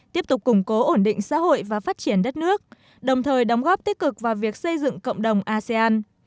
tiếp tục củng cố ổn định xã hội và phát triển đất nước đồng thời đóng góp tích cực vào việc xây dựng cộng đồng asean